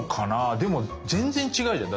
でも全然違うじゃん。